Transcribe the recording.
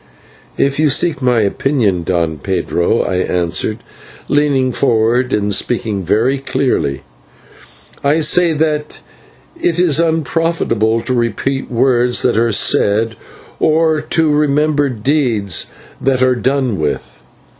"If you seek my opinion, Don Pedro," I answered, leaning forward and speaking very clearly, "I say that it is unprofitable to repeat words that are said, or to remember deeds that are done with.